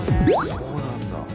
そうなんだ。